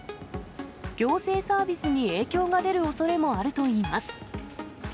行政サービスに影響が出るおそれもあるといいます。